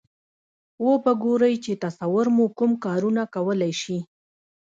و به ګورئ چې تصور مو کوم کارونه کولای شي.